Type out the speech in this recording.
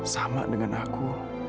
sama dengan aku